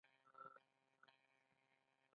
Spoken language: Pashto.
د بامیان هوايي ډګر کوچنی دی